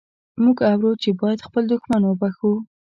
موږ اورو چې باید خپل دښمن وبخښو.